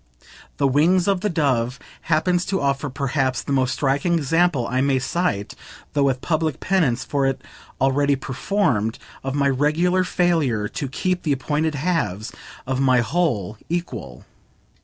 "The Wings of the Dove" happens to offer perhaps the most striking example I may cite (though with public penance for it already performed) of my regular failure to keep the appointed halves of my whole equal.